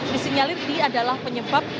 disinyalir ini adalah penyebab